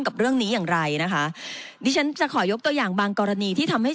กับเรื่องนี้อย่างไรนะคะดิฉันจะขอยกตัวอย่างบางกรณีที่ทำให้